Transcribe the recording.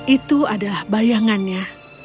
itu adalah bayangannya